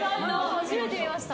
初めて見ました。